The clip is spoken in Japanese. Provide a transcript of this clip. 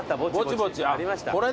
ぼちぼち。ありました。